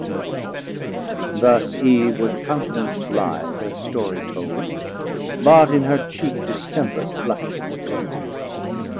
Thus Eve with Countnance blithe her storie told; But in her Cheek distemper flushing glowd.